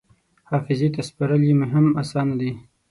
حافظې ته سپارل یې هم اسانه دي.